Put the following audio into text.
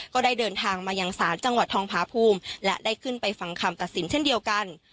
ก็ได้เดินทางมายังศาลจังหวัดทองพาภูมิและได้ขึ้นไปฟังคำตัดสินเช่นเดียวกัน